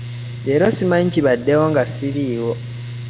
Leero simanyi kibadewo nga siriiwo.